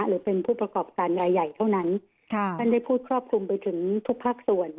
หรือว่าเขาจะเป็นผู้ประกอบการใหญ่เท่านั้น